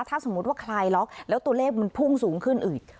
ถ้าสมมุติว่าคลายล็อกแล้วตัวเลขมันพุ่งสูงขึ้นอีก